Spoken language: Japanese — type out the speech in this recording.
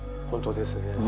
本当ですね。